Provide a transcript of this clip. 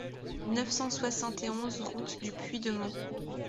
neuf cent soixante et onze route du Puy de Mont